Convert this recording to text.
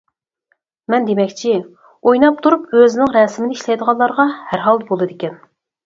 مەن دېمەكچى، ئويناپ تۇرۇپ ئۆزىنىڭ رەسىمىنى ئىشلەيدىغانلارغا ھەرھالدا بولىدىكەن.